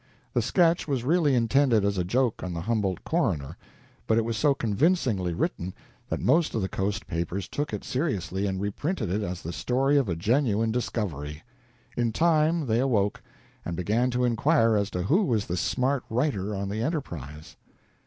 The sketch was really intended as a joke on the Humboldt coroner, but it was so convincingly written that most of the Coast papers took it seriously and reprinted it as the story of a genuine discovery. In time they awoke, and began to inquire as to who was the smart writer on the "Enterprise."